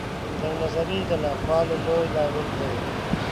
تنګ نظري د ناخوالو لوی لامل دی.